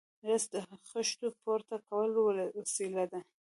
رسۍ د خښتو پورته کولو وسیله ده.